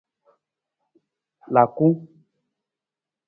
Laku.